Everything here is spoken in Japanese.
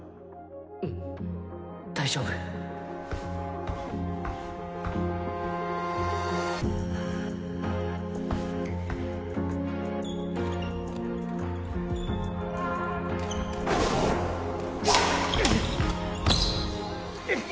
うん大丈夫うっ！